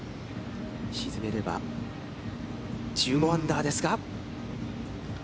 沈めれば、１５アンダーですが。